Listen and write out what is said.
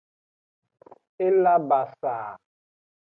E la basaa.